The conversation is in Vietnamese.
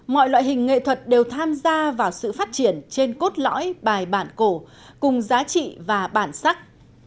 mọi loại hình nghệ thuật đều tham gia vào sự phát triển trên cốt lõi bài bản cổ cùng giá trị và bản sắc